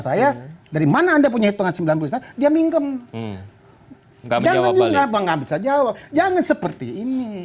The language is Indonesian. saya dari mana anda punya hitungan sembilan puluh dia mingkem nggak bisa jawab jangan seperti ini